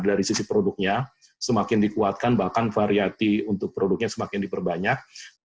dari sisi produknya semakin dikuatkan bahkan variati untuk produknya semakin diperbanyak